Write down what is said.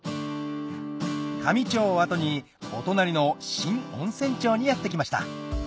香美町を後にお隣の新温泉町にやって来ました